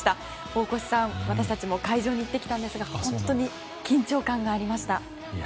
大越さん、私たちも会場に行ってきたんですが本当に緊張感がありました。